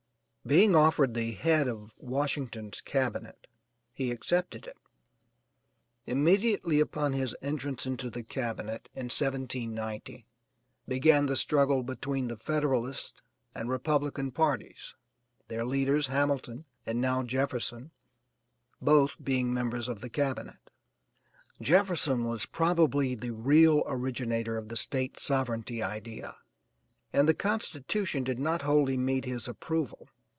Being offered the head of Washington's cabinet, he accepted it. Immediately upon his entrance into the cabinet, in 1790, began the struggle between the Federalist and Republican parties, their leaders, Hamilton and now Jefferson, both being members of the cabinet. Jefferson was probably the real originator of the State sovereignity idea, and the constitution did not wholly meet his approval.